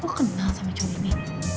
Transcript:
aku kenal sama cudini